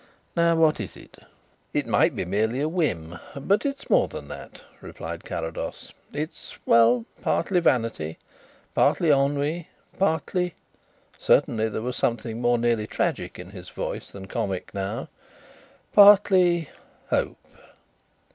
Now what is it?" "It might be merely a whim, but it is more than that," replied Carrados. "It is, well, partly vanity, partly ennui, partly" certainly there was something more nearly tragic in his voice than comic now "partly hope."